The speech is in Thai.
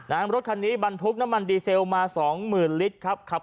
นะฮะรถคันนี้บันทุกข์น้ำมันดีเซลมาสองหมื่นลิตรครับ